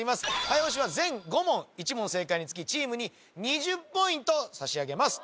早押しは全５問１問正解につきチームに２０ポイント差し上げます